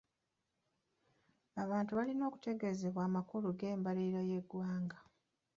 Abantu balina okutegezebwa amakulu g'embalirira y'egwanga.